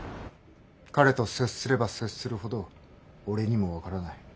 彼と接すれば接するほど俺にも分からない。